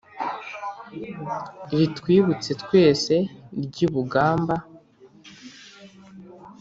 ritwibutse twese ry'i bugamba,